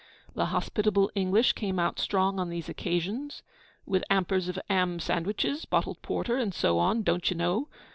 The hospitable English came out strong on these occasions, with ''ampers of 'am sandwiches, bottled porter and so on, don't you know?'